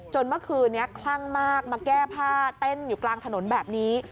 เมื่อคืนนี้คลั่งมากมาแก้ผ้าเต้นอยู่กลางถนนแบบนี้